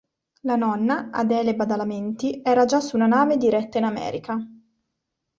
La nonna, Adele Badalamenti, era già su una nave diretta in America.